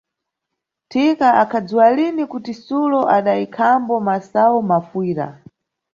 Thika akhadziwa lini kuti Sulo adayikhambo masayu mafuyira.